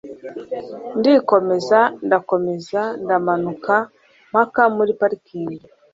ndikomeza, ndakomeza ndamanuka mpaka muri parikingi